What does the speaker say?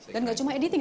dan gak cuma editing